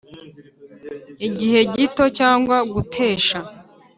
igihe gito cyangwa gutesha